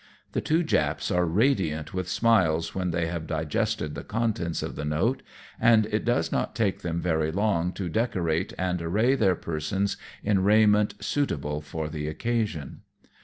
The two Japs are radiant with smiles when they have digested the contents of the note, and it does not take them very long to decorate and array their persons in raiment suitable for the occasion.